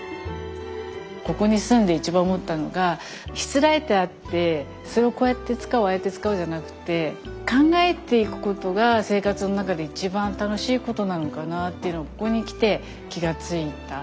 ここに住んで一番思ったのがしつらえてあってそれをこうやって使うああやって使うじゃなくて考えていくことが生活の中で一番楽しいことなのかなっていうのをここに来て気が付いた。